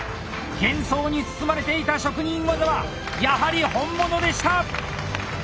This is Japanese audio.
幻想に包まれていた職人技はやはり本物でした！